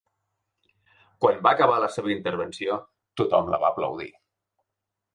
Quan va acabar la seva intervenció, tothom la va aplaudir.